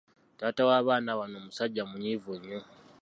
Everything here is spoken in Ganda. Taata w'abaana bano musajja muyivu nnyo.